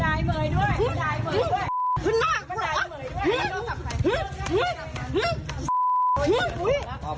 ไทยเมื่อยด้วยไทยเมื่อยด้วย